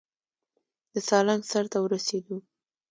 د سالنګ سر ته ورسېدو.